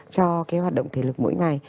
cho cái hoạt động thể lực mỗi ngày